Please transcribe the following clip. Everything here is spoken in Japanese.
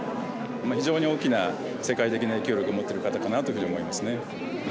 非常に大きな世界的な影響力を持ってる方かなというふうに思いますね。